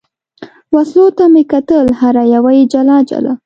وسلو ته مې کتل، هره یوه یې جلا جلا.